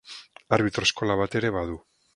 Arbitro eskola bat ere badu.